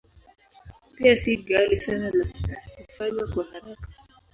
Pia si ghali sana na hufanywa kwa haraka.